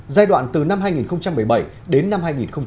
giai đoạn từ năm hai nghìn một mươi bảy đến năm hai nghìn hai mươi